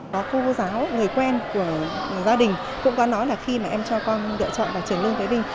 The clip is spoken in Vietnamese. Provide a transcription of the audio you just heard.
cô giáo người quen của gia đình cũng có nói là khi mà em cho con lựa chọn vào trường lương thế vinh